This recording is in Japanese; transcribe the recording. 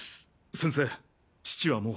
先生父はもう。